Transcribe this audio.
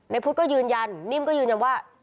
พุทธก็ยืนยันนิ่มก็ยืนยันว่า